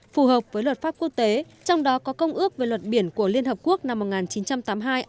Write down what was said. phù hợp với luật pháp quốc tế trong đó có công ước về luật biển của liên hợp quốc năm một nghìn chín trăm tám mươi hai